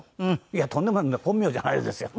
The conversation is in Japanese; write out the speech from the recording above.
いやとんでもない本名じゃないですよ。